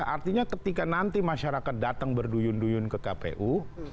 artinya ketika nanti masyarakat datang berduyun duyun ke kpu